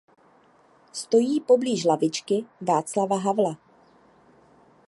Stojí poblíž lavičky Václava Havla.